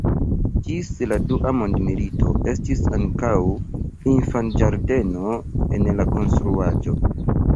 Ĝis la Dua mondmilito estis ankaŭ infanĝardeno en la konstruaĵo.